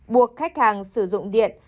buộc khách hàng sử dụng điện